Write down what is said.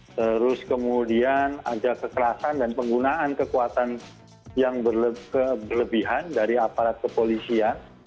terus kemudian ada kekerasan dan penggunaan kekuatan yang berlebihan dari aparat kepolisian